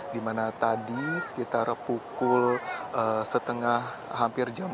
di mana tadi sekitar pukul setengah hampir jam empat